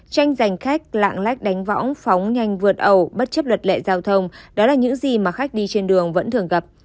tranh giành khách lạng lách đánh võng phóng nhanh vượt ẩu bất chấp luật lệ giao thông đó là những gì mà khách đi trên đường vẫn thường gặp